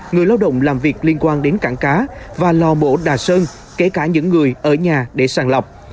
người lao động làm việc liên quan đến cảng cá và lò mổ đà sơn kể cả những người ở nhà để sàng lọc